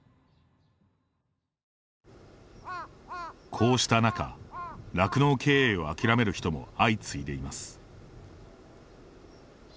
こうした中、酪農経営をあきらめる人も相次いでいます。